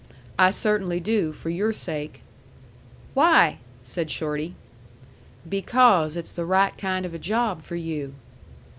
I cert'nly do for your sake." "Why?" said Shorty. "Because it's the right kind of a job for you."